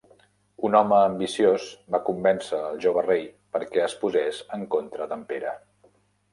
Un home ambiciós, va convèncer el jove rei perquè es posés en contra d'en Pere.